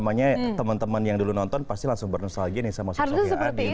wah jadi teman teman yang dulu nonton pasti langsung bernostalgia nih sama sosoknya adit